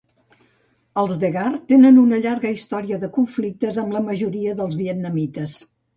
Els Degar tenen una llarga història de conflictes amb la majoria dels vietnamites.